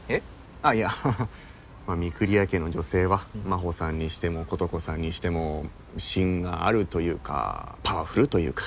あっいや御厨家の女性は真帆さんにしても琴子さんにしても芯があるというかパワフルというか。